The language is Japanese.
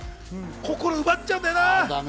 心、奪っちゃうんだよな。